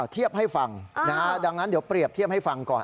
เทียบให้ฟังนะฮะดังนั้นเดี๋ยวเปรียบเทียบให้ฟังก่อน